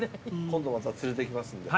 今度また連れてきますんで。